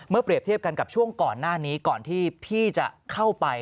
เปรียบเทียบกันกับช่วงก่อนหน้านี้ก่อนที่พี่จะเข้าไป